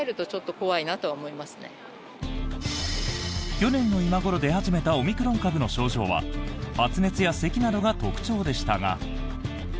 去年の今頃、出始めたオミクロン株の症状は発熱やせきなどが特徴でしたが。